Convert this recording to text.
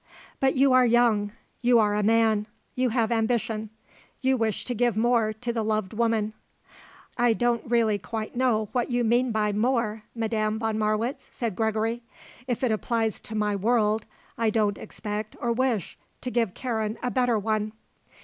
"But you are young. You are a man. You have ambition. You wish to give more to the loved woman." "I don't really quite know what you mean by more, Madame von Marwitz," said Gregory. "If it applies to my world, I don't expect, or wish, to give Karen a better one."